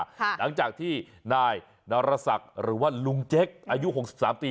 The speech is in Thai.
หลังจากที่นายนรศักดิ์หรือว่าลุงเจ๊กอายุหกสิบสามปี